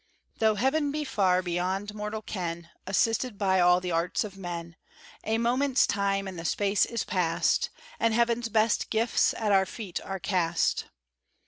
Though heaven be far beyond mortal ken, Assisted by all the arts of men, A moment's time and the space is passed, And heaven's best gifts at our feet are cast.